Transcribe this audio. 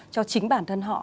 cho chính bản thân họ